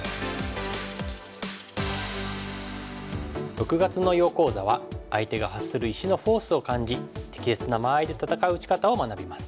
６月の囲碁講座は相手が発する石のフォースを感じ適切な間合いで戦う打ち方を学びます。